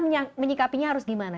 yang menyikapinya harus gimana